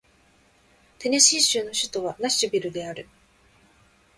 テネシー州の州都はナッシュビルである